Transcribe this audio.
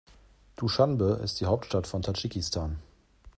Duschanbe ist die Hauptstadt von Tadschikistan.